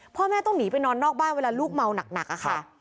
พ่อแม่ต้องหนีไปนอนนอกบ้านเวลาลูกเมาหนักค่ะ